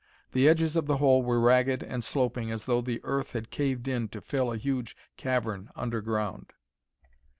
The edges of the hole were ragged and sloping as though the earth had caved in to fill a huge cavern underground.